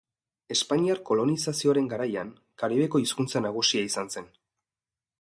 Espainiar kolonizazioaren garaian, Karibeko hizkuntza nagusia izan zen.